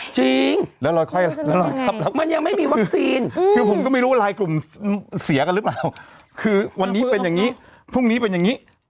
จริงแล้วเราค่อยมันยังไม่มีวัคซีนคือผมก็ไม่รู้รายกลุ่มเสียกันหรือเปล่าคือวันนี้เป็นอย่างนี้พรุ่งนี้เป็นอย่างนี้